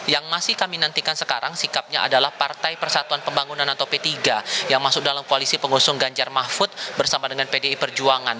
yang masih kami nantikan sekarang sikapnya adalah partai persatuan pembangunan atau p tiga yang masuk dalam koalisi pengusung ganjar mahfud bersama dengan pdi perjuangan